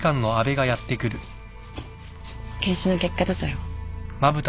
検視の結果出たよ。